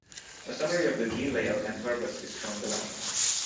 A summary of the gene layout and purpose is shown below.